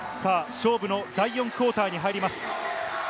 勝負の第４クオーターに入ります。